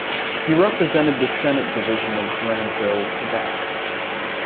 He represented the Senate division of Grandville, Quebec.